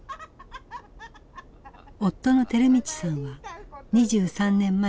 夫の照道さんは２３年前に他界。